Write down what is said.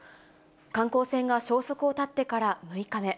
観光船が消息を絶ってから６日目。